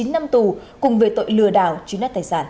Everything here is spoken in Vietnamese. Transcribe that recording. hai mươi chín năm tù cùng về tòa án